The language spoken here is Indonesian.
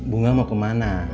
bunga mau kemana